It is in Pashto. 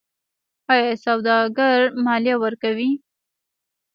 آیا سوداګر مالیه ورکوي؟